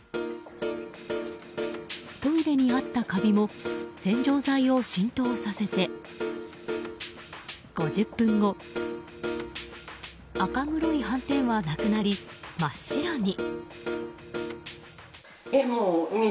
トイレにあったカビも洗浄剤を浸透させて５０分後赤黒い斑点はなくなり真っ白に。